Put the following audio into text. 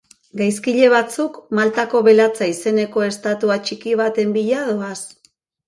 Gaizkile batzuk Maltako belatza izeneko estatua txiki baten bila doaz.